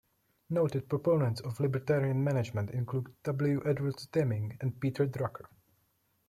Noted proponents of libertarian management include W. Edwards Deming and Peter Drucker.